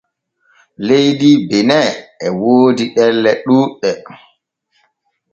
Leydi Bene e woodi ɗelle ɗuuɗɗe.